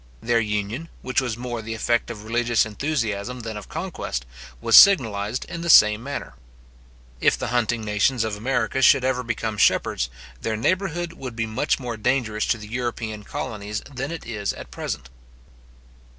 Their union, which was more the effect of religious enthusiasm than of conquest, was signalized in the same manner. If the hunting nations of America should ever become shepherds, their neighbourhood would be much more dangerous to the European colonies than it is at present.